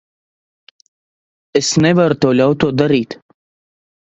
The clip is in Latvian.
Es nevaru tev ļaut to darīt.